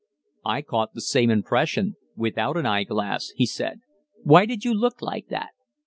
"I caught the same impression without an eyeglass," he said. "Why did you look like that?"